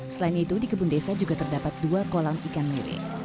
selain itu di kebun desa juga terdapat dua kolam ikan miri